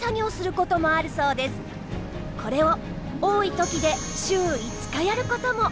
これを多い時で週５日やることも。